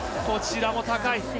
こちらも高い。